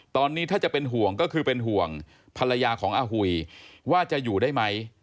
ตอนนี้ถ้าจะเป็นห่วงก็คือเป็นห่วงภรรยาของอาหุยว่าจะอยู่ได้ไหม